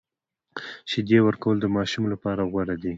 شیدې ورکول د ماشوم لپاره غوره دي۔